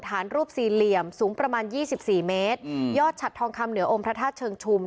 รูปสี่เหลี่ยมสูงประมาณยี่สิบสี่เมตรยอดฉัดทองคำเหนือองค์พระธาตุเชิงชุม